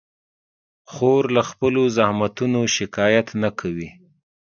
خور له خپلو زحمتونو شکایت نه کوي.